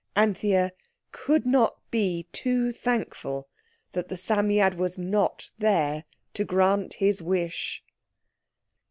Anthea could not be too thankful that the Psammead was not there to grant his wish.